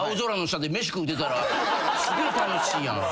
すげえ楽しいやん。